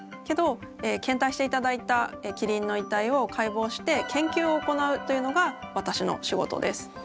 けど献体していただいたキリンの遺体を解剖して研究を行うというのが私の仕事です。